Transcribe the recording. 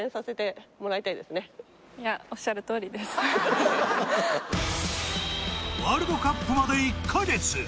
たいやワールドカップまで１か月